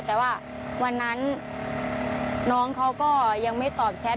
แต่ว่าวันนั้นน้องเขาก็ยังไม่ตอบแชท